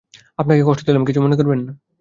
আপনাকে কষ্ট দিলাম, কিছু মনে করবেন না।